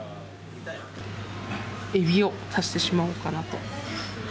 エビを足してしまおうかなと。